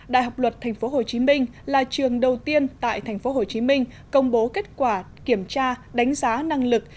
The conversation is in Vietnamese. đại học luật tp hcm là trường đầu tiên tại tp hcm công bố kết quả kiểm tra đánh giá năng lực